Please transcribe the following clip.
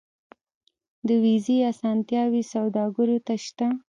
د ویزې اسانتیاوې سوداګرو ته شته